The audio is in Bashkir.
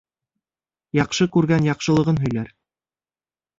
Яҡшы күргән яҡшылығын һөйләр